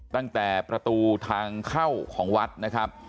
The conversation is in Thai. ตั้งแต่ประตูทางเข้าของวัดนะครับ